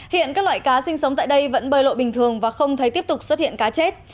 hiện các loại cá sinh sống tại đây vẫn bơi lội bình thường và không thấy tiếp tục xuất hiện cá chết